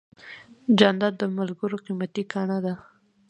جانداد د ملګرو قیمتي ګاڼه ده.